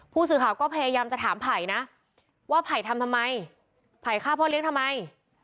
ผู้สื่อข่าวก็พยายามจะถามไผ่นะว่าไผ่ทำทำไมไผ่ฆ่าพ่อเลี้ยงทำไม